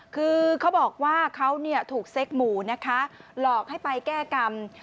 คือเขาบอกว่าเขาถูกเซ็กหมู่นะคะหลอกให้ไปแก้กรรม